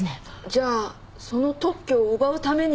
じゃあその特許を奪うために。